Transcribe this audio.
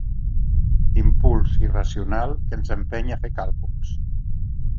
Impuls irracional que ens empeny a fer càlculs.